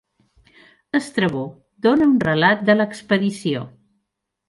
Estrabó dóna un relat de l'expedició.